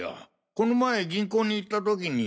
この前銀行に行った時に。